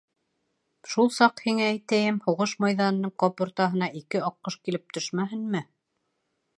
Шул саҡ, һиңә әйтәйем, һуғыш майҙанының ҡап уртаһына ике аҡҡош килеп төшмәһенме!